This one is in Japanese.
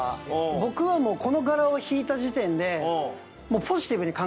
僕はこの柄を引いた時点で。